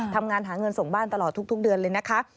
ทำงานหาเงินส่งบ้านตลอดทุกเดือนเลยนะคะ